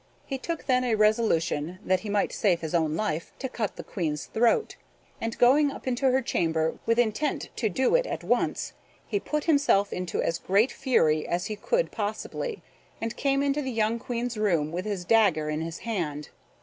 He took then a resolution, that he might save his own life, to cut the Queen's throat; and going up into her chamber, with intent to do it at once, he put himself into as great fury as he could possibly, and came into the young Queen's room with his dagger in his hand.